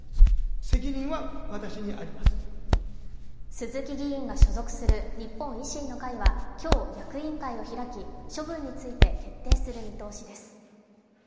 鈴木議員が所属する日本維新の会は今日、役員会を開き処分について決定する見通しです。